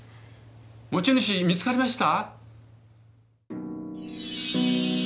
持ち主見つかりました？